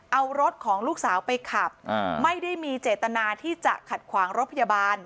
เอารถของลูกสาวไปขับไม่ได้มีเจตนาที่จะขัดขวางรถพยาบาล